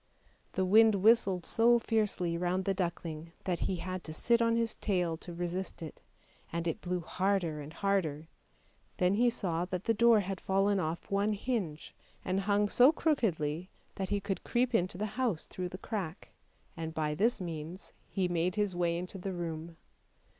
The wind whistled so fiercely round the duckling that he had to sit on his tail to resist it, and it blew harder and harder; then he saw that the door had fallen off one hinge and hung so crookedly that he could creep into the house through the crack, and by this means hejnade his way into the room.